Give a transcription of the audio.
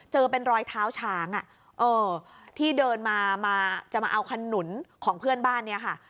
เจอเป็นรอยเท้าช้างที่เดินมามาจะมาเอาขนุนของเพื่อนบ้านเนี่ยค่ะ